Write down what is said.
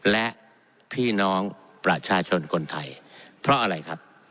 และพี่น้องประชาชนคนไทยเพราะอะไรครับ